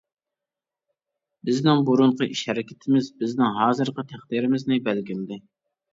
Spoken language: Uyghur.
بىزنىڭ بۇرۇنقى ئىش-ھەرىكىتىمىز بىزنىڭ ھازىرقى تەقدىرىمىزنى بەلگىلىدى.